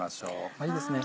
あっいいですね。